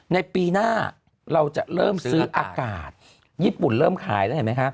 ในปีหน้าเราจะเริ่มซื้ออากาศญี่ปุ่นเริ่มขายแล้วเห็นไหมคะ